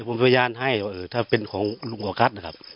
ผมเป็นพยานให้ถ้าเป็นของลุงออกราศนะครับ